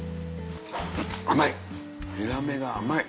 甘い！